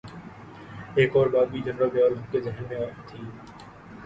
ایک اور بات بھی جنرل ضیاء الحق کے ذہن میں تھی۔